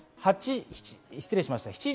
失礼いたしました。